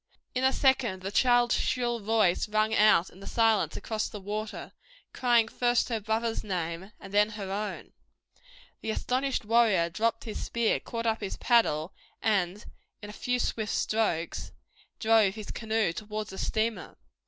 In a second the child's shrill voice rang out in the silence across the water, crying first her brother's name, and then her own. The astonished warrior dropped his spear, caught up his paddle and in a few swift strokes drove his canoe towards the steamer.